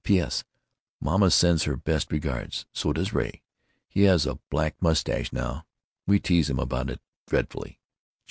P.S. Mama sends her best regards, so does Ray, he has a black mustache now, we tease him about it dreadfully.